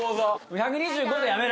１２５でやめる。